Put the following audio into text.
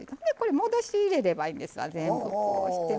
戻し入れればいいんですわ全部。